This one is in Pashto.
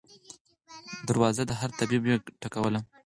دروازه د هر طبیب یې ټکوله